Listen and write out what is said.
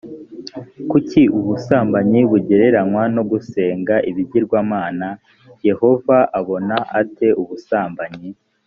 kuki ubusambanyi bugereranywa no gusenga ibigirwamana‽ yehova abona ate ubusambanyi ‽